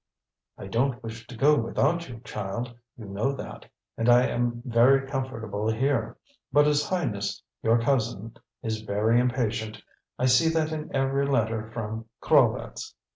"I don't wish to go without you, child, you know that; and I am very comfortable here. But his Highness, your cousin, is very impatient; I see that in every letter from Krolvetz.